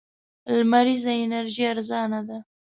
لمريزه انرژي ارزانه ده.